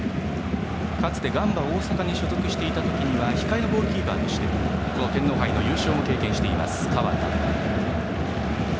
かつてガンバ大阪に所属していた時には控えのゴールキーパーとしてこの天皇杯の優勝を経験しています。